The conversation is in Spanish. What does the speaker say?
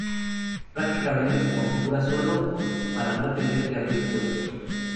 Prácticamente se configura solo, para no tener que abrir puertos.